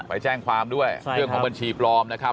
ไปแจ้งความด้วยเรื่องของบัญชีปลอมนะครับ